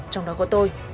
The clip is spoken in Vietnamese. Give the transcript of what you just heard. trong đó có tôi